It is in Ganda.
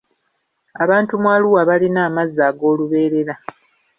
Abantu mu Arua balina amazzi ag'olubeerera.